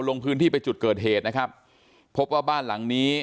ลงพื้นที่ไปจุดเกิดเหตุนะครับพบว่าบ้านหลังนี้